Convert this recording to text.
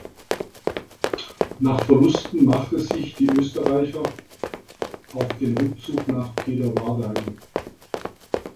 Nach Verlusten machte sich die Österreicher auf den Rückzug nach Peterwardein.